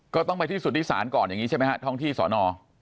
ก็ต้องไปที่สุธิศาลก่อนอย่างนี้ใช่ไหมฮะท้องที่สอนอ